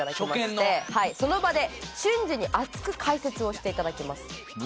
その場で瞬時に熱く解説をして頂きます。